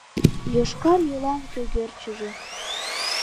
Йошкар йолан кӧгӧрчыжӧ